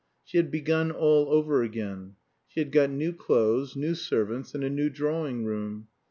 She had begun all over again. She had got new clothes, new servants, and a new drawing room.